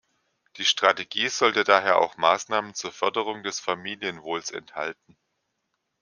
Die Strategie sollte daher auch Maßnahmen zur Förderung des Familienwohls enthalten.